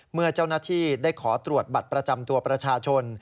เมื่อเจ้าหน้าที่ได้ขอตรวจบัตรประจำตัวประชาชน